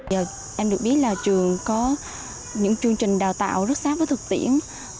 giờ em được biết là trường có những chương trình đào tạo rất sát với thực tiễn